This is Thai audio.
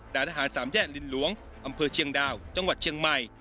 ทหารสามแยกลินหลวงอำเภอเชียงดาวจังหวัดเชียงใหม่